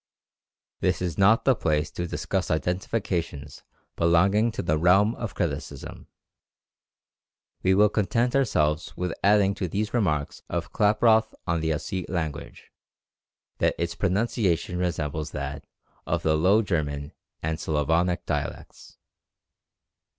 This is not the place to discuss identifications belonging to the realm of criticism. We will content ourselves with adding to these remarks of Klaproth on the Ossete language, that its pronunciation resembles that of the Low German and Slavonic dialects.